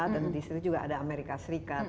dan di situ juga ada amerika serikat